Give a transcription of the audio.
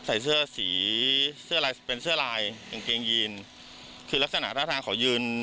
ใส่เสื้อสีเสื้อลายเป็นเสื้อลายกางเกงยีนคือลักษณะท่าทางเขายืน